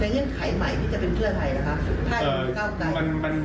ถ้ายังไม่เป็นภักร์ก้าวไกล